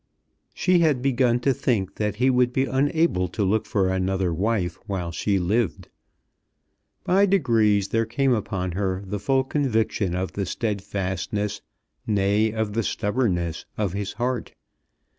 She had begun to think that he would be unable to look for another wife while she lived. By degrees there came upon her the full conviction of the steadfastness, nay, of the stubbornness, of his heart.